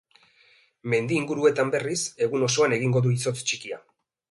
Mendi inguruetan, berriz, du egun osoan egingo du izotz txikia.